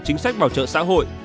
chính sách bảo trợ xã hội